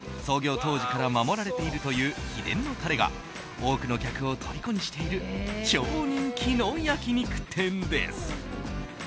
更に、創業当時から守られているという秘伝のタレが多くの客をとりこにしている超人気の焼き肉店です。